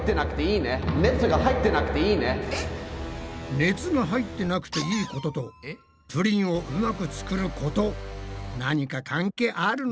熱が入ってなくていいこととプリンをうまく作ること何か関係あるの？